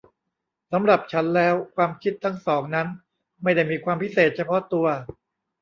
สำหรับฉันแล้วความคิดทั้งสองนั้นไม่ได้มีความพิเศษเฉพาะตัว